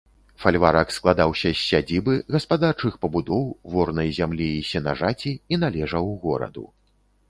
Фальварак складаўся з сядзібы, гаспадарчых пабудоў, ворнай зямлі і сенажаці і належаў гораду.